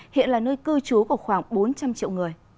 hiện là nơi cư trú của khoảng bốn trăm linh triệu người